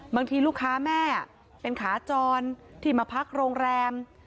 บางทีลูกค้าแม่เป็นขาจรที่มาพักโรงแรม